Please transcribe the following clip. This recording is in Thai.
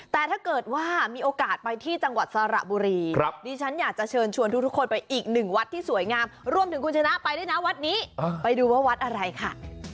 แต่ถ้าเกิดว่ามีโอกาสไปที่จังหวัดสระบุรีดิฉันอยากจะเชิญชวนทุกคนไปอีกหนึ่งวัดที่สวยงามรวมถึงคุณชนะไปด้วยนะวัดนี้ไปดูว่าวัดอะไรค่ะ